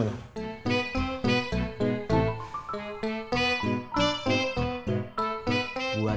duit ke badannya mana